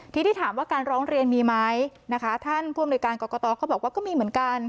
ทีนี้ถามว่าการร้องเรียนมีไหมนะคะท่านผู้อำนวยการกรกตก็บอกว่าก็มีเหมือนกัน